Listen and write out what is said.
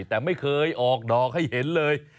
แต่ไม่เคยออกดอกให้เห็นเลย